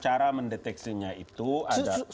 cara mendeteksinya itu anda